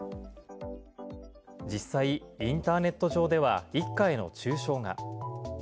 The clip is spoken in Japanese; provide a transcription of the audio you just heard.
実際、インターネット上では一家への中傷が。